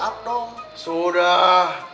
up dong sudah